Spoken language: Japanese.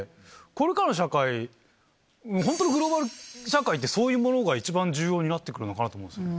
これからの社会ホントのグローバル社会ってそういうものが一番重要になって来るのかなと思うんですよ。